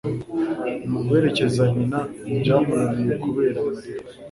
guherekeza nyina byamunaniye kubera amarira